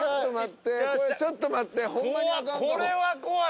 ちょっと待ってホンマにあかんかも。